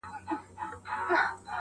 دا نه منم چي صرف ټوله نړۍ كي يو غمى دی.